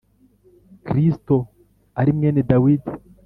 Kristo ari mwene dawidi